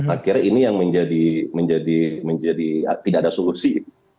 akhirnya ini yang menjadi tidak ada solusi